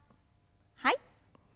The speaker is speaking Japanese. はい。